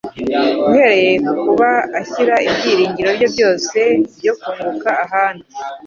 uhereye ku kuba ashyira ibyiringiro bye byose byo kunguka ahandi